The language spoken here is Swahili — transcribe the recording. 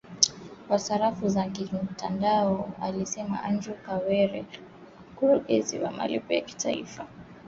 kwa sarafu za kimtandao alisema Andrew Kaware mkurugenzi wa malipo ya taifa